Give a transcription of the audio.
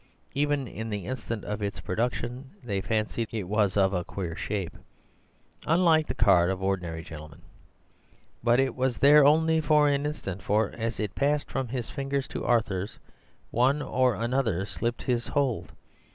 Even in the instant of its production, they fancied it was of a queer shape, unlike the cards of ordinary gentlemen. But it was there only for an instant; for as it passed from his fingers to Arthur's, one or another slipped his hold.